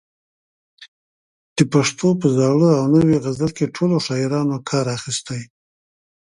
د پښتو په زاړه او نوي غزل کې ټولو شاعرانو کار اخیستی.